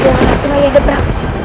setelah dua orang semua yang deperang